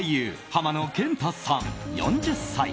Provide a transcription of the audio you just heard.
浜野謙太さん、４０歳。